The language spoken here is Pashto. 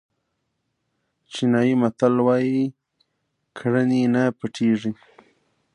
چینایي متل وایي کړنې نه پټېږي.